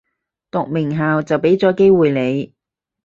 讀名校就畀咗機會你